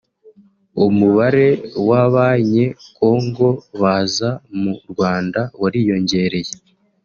umubare w’abanye-Congo baza mu Rwanda wariyongereye